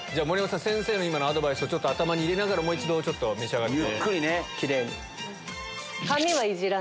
先生のアドバイスを頭に入れながらもう一度召し上がって。